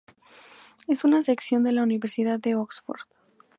Es una sección de la Universidad de Oxford.